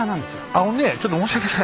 あのねちょっと申し訳ない。